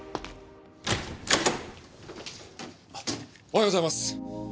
おはようございます。